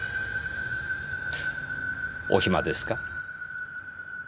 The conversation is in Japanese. お暇ですか？